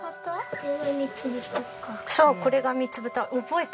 そうこれが密ぶた。